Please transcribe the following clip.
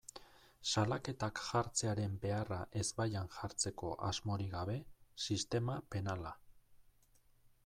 Salaketak jartzearen beharra ezbaian jartzeko asmorik gabe, sistema penala.